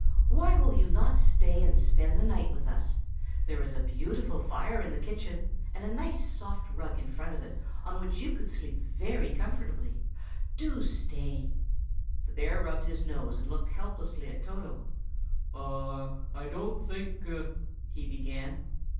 Why will you not stay and spend the night with us? There is a beautiful fire in the kitchen, and a nice soft rug in front of it, on which you could sleep very comfortably. Do stay!" The bear rubbed his nose and looked helplessly at Toto. "I don't think—" he began.